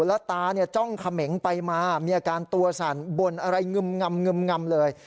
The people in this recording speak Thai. แล้วตาจ้องเขมงไปมามีอาการตัวสั่นบ่นอะไรงึมงำเลย